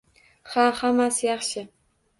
Ha, hammasi yaxshi.